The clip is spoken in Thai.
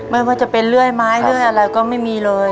ไม่ว่าจะเป็นเลื่อยไม้เลื่อยอะไรก็ไม่มีเลย